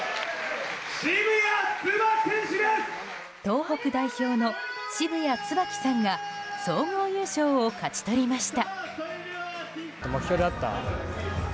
東北代表の澁谷椿さんが総合優勝を勝ち取りました。